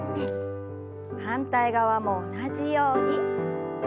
反対側も同じように。